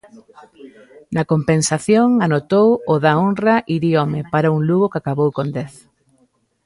Na compensación anotou o da honra Iriome para un Lugo que acabou con dez.